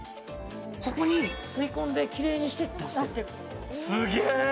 ここに吸い込んできれいにして出してく・すげえ！